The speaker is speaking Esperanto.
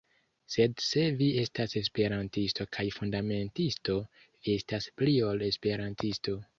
Sed se vi estas Esperantisto kaj fundamentisto, vi estas pli ol Esperantisto.